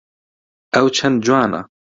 ئەو چەند جوانە!